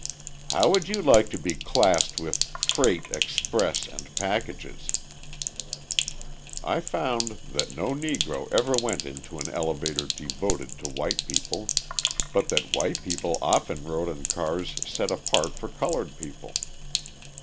"How would you like to be classed with 'freight, express and packages'?" I found that no Negro ever went into an elevator devoted to white people, but that white people often rode in cars set apart for coloured people.